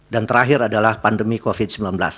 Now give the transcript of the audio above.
dan terakhir adalah pandemi covid sembilan belas